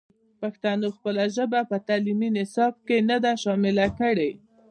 پښتنو خپله ژبه په تعلیمي نصاب کې نه ده شامل کړې.